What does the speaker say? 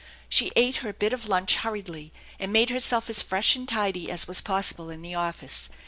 She ate her bit of lunch hurriedly, and made herself as fresh and tidy as was possible in the office.